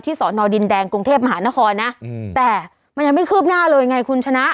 สอนอดินแดงกรุงเทพมหานครนะแต่มันยังไม่คืบหน้าเลยไงคุณชนะ